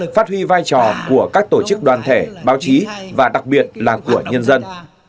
phát huy vai trò của các tổ chức đoàn thể báo chí và đặc biệt là của nhân dân